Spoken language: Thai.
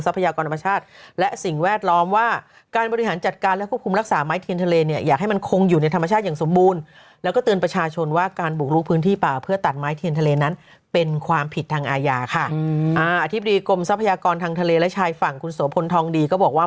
สิ่งแวดล้อมว่าการบริหารจัดการและควบคุมรักษาไม้เทียนทะเลเนี่ยอยากให้มันคงอยู่ในธรรมชาติอย่างสมบูรณ์แล้วก็เตือนประชาชนว่าการบุกลุกพื้นที่ป่าเพื่อตัดไม้เทียนทะเลนั้นเป็นความผิดทางอาญาค่ะอ่าอธิบดีกรมทรัพยากรทางทะเลและชายฝั่งคุณโสพลทองดีก็บอกว่า